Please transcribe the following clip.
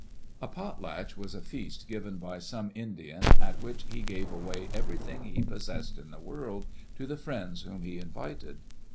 A "potlatch was a feast given by some Indian, at which he gave away everything he possessed in the world to the friends whom he invited.